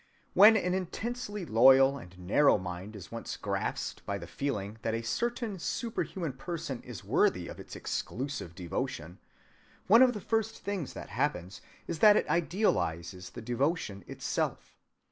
When an intensely loyal and narrow mind is once grasped by the feeling that a certain superhuman person is worthy of its exclusive devotion, one of the first things that happens is that it idealizes the devotion itself.